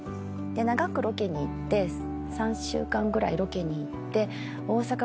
長くロケに行って３週間ぐらいロケに行って。